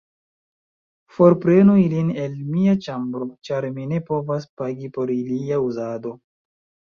Forprenu ilin el mia ĉambro, ĉar mi ne povas pagi por ilia uzado.